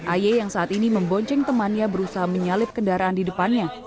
aye yang saat ini membonceng temannya berusaha menyalip kendaraan di depannya